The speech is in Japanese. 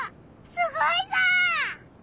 すごいぞ！